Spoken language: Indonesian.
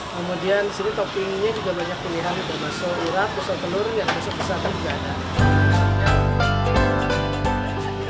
kemudian di sini toppingnya juga banyak pilihan ada bakso irap bakso telur dan bakso besar juga ada